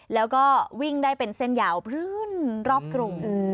แล้วก็วิ่งได้เป็นเส้นยาวพื้นรอบกรุง